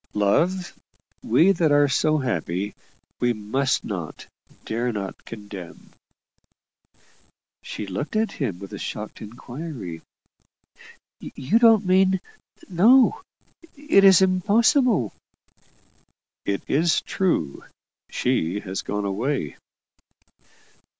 "Love, we that are so happy, we must not, dare not condemn." She looked at him with a shocked inquiry. "You don't mean No; it is impossible!" "It is true. She has gone away."